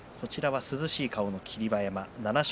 涼しい顔の霧馬山です。